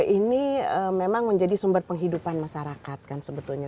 ini memang menjadi sumber penghidupan masyarakat kan sebetulnya